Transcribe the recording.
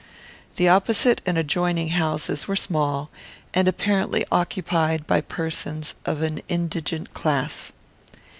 The opposite and adjoining houses were small, and apparently occupied by persons of an indigent class.